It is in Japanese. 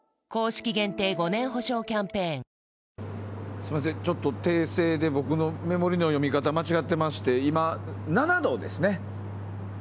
すみませんちょっと訂正で僕の目盛りの見方が間違ってまして今、７度ですね。